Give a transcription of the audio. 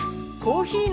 コーヒー！